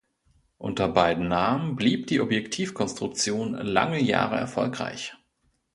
Unter beiden Namen blieb die Objektiv-Konstruktion lange Jahre erfolgreich.